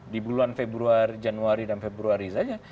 di bulan februari januari dan februari saja